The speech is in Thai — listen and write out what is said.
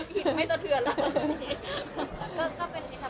ก็คือผิดไม่จะเถือนแล้ว